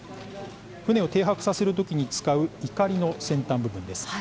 船を停泊させる時に使ういかりの先端部分です。